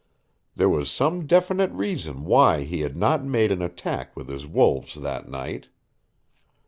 There was some definite reason why he had not made an attack with his wolves that night.